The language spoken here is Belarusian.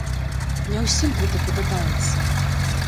Не ўсім гэта падабаецца.